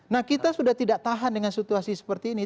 nah kita sudah tidak tahan dengan situasi seperti ini